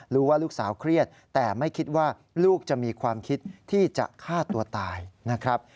รู้ว่าลูกสาวเครียดแต่ไม่คิดว่าลูกจะมีความคิดที่จะฆ่าตัวตายนะครับ